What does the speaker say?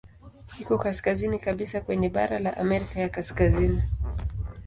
Iko kaskazini kabisa kwenye bara la Amerika ya Kaskazini.